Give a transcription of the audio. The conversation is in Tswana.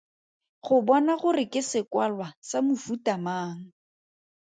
Go bona gore ke sekwalwa sa mofuta mang.